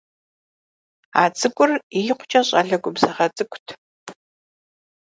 А цӏыкӏур икъукӀэ щӀалэ губзыгъэ цӀыкӀут.